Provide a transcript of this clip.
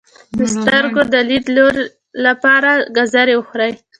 د سترګو د لید لپاره ګازرې وخورئ